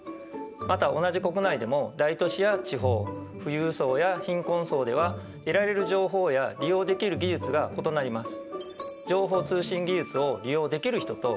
また同じ国内でも大都市や地方富裕層や貧困層では得られる情報や利用できる技術が異なります。